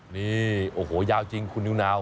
นี่โอ้โหยาวจริงคุณนิวนาว